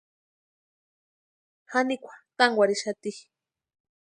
Janikwa tankwarhixati.